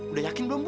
udah yakin belum bu